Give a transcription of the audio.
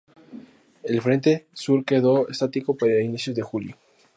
El frente sur quedó estático para inicios de julio.